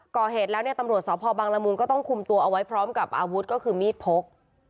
ก่อเหตุแล้วเนี่ยตำรวจสพบังละมูลก็ต้องคุมตัวเอาไว้พร้อมกับอาวุธก็คือมีดพก